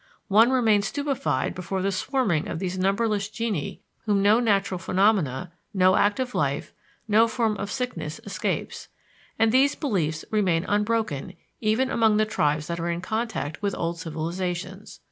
One remains stupefied before the swarming of these numberless genii whom no natural phenomenon, no act of life, no form of sickness escapes, and these beliefs remain unbroken even among the tribes that are in contact with old civilizations.